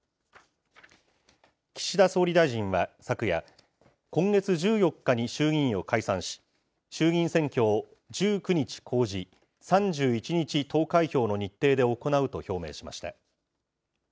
岸田総理大臣は昨夜、今月１４日に衆議院を解散し、衆議院選挙を１９日公示、３１日投開票の日程で行うと表明しました。